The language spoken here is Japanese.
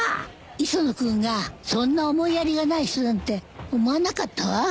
磯野君がそんな思いやりがない人なんて思わなかったわ。